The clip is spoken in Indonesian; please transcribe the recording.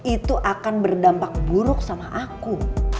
itu akan berdampak buruk sama aku